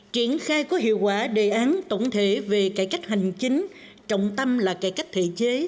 triển khai có hiệu quả đề án tổng thể về cải cách hành chính trọng tâm là cải cách thể chế